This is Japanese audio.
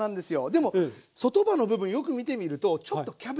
でも外葉の部分よく見てみるとちょっとキャベツのね